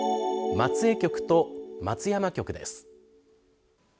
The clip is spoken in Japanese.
松江局と松山局です。